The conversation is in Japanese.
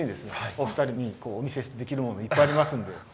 お二人にお見せできるものいっぱいありますんで。